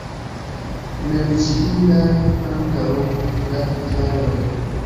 Menciindaj ankaŭ la vitraloj.